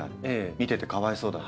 見ててかわいそうだな。